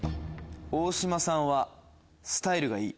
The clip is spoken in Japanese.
大島さんはスタイルがいい。